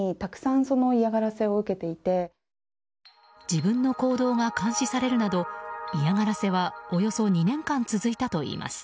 自分の行動が監視されるなど嫌がらせはおよそ２年間続いたといいます。